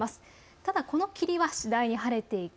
ただこの霧は次第に晴れていき